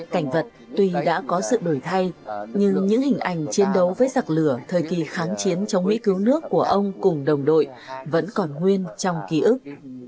cảnh vật tuy đã có sự đổi thay nhưng những hình ảnh chiến đấu với giặc lửa thời kỳ kháng chiến chống mỹ cứu nước của ông cùng đồng đội vẫn còn nguyên trong ký ức